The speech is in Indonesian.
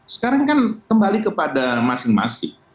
sekarang kan kembali kepada masing masing